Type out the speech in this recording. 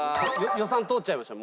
予算通っちゃいました？